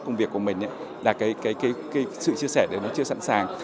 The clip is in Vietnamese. công việc của mình là cái sự chia sẻ đấy nó chưa sẵn sàng